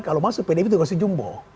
kalau masuk pdp itu koalisi jumbo